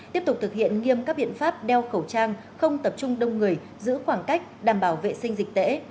tiếp tục thực hiện nghiêm các biện pháp đeo khẩu trang không tập trung đông người giữ khoảng cách đảm bảo vệ sinh dịch tễ